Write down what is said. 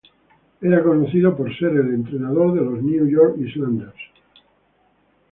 Era conocido por ser el entrenador de los New York Islanders.